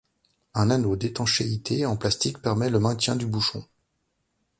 Un anneau d'étanchéité en plastique permet le maintien du bouchon.